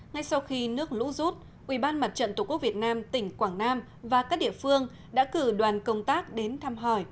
ngay sau khi nước lũ rút ubnd tqvn tỉnh quảng nam và các địa phương đã cử đoàn công tác đến thăm hỏi